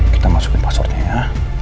kita masukin passwordnya ya